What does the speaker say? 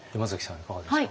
いかがですか？